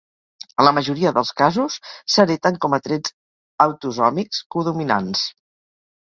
En la majoria dels casos, s'hereten com a trets autosòmics codominants.